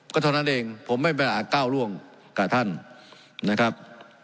ก็เท่านั้นเองผมไม่ไปอาจก้าวร่วงกับท่านนะครับ